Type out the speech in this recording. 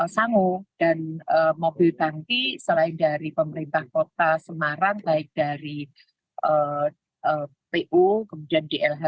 sango dan mobil tangki selain dari pemerintah kota semarang baik dari pu kemudian dlh